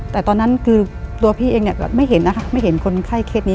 แต่ตอนนั้นคือตัวพี่เองเนี่ยไม่เห็นนะคะไม่เห็นคนไข้เคสนี้